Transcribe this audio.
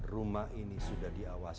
rumah ini sudah diawal